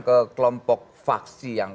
ke kelompok faksi yang